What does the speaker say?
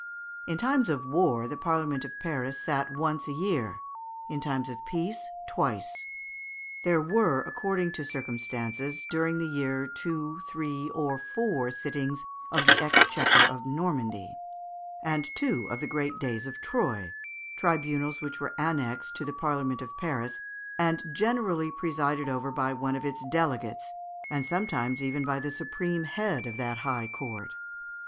In times of war the Parliament of Paris sat once a year, in times of peace twice. There were, according to circumstances, during the year two, three, or four sittings of the exchequer of Normandy, and two of the Great Days of Troyes, tribunals which were annexed to the Parliament of Paris, and generally presided over by one of its delegates, and sometimes even by the supreme head of that high court.